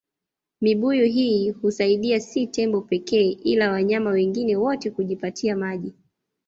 Mibuyu hii husaidia si tembo pekee ila wanyama wengine wote kujipatia maji